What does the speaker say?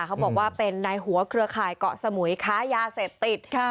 เขาบอกว่าเป็นในหัวเครือข่ายเกาะสมุยค้ายาเสพติด